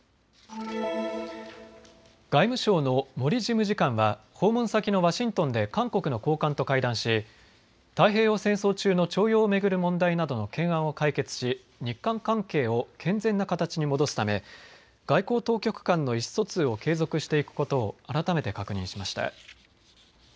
外務省の森事務次官は訪問先のワシントンで韓国の高官と会談し太平洋戦争中の徴用を巡る問題などの懸案を解決し日韓関係を健全な形に戻すため外交当局間の意思疎通を継続していくことを改めて確認しました。